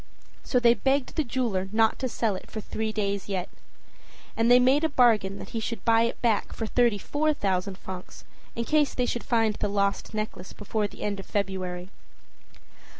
So they begged the jeweler not to sell it for three days yet. And they made a bargain that he should buy it back for thirty four thousand francs, in case they should find the lost necklace before the end of February.